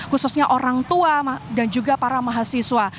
khususnya orang tua dan juga para mahasiswa